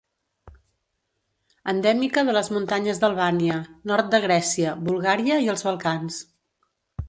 Endèmica de les muntanyes d'Albània, nord de Grècia, Bulgària i els Balcans.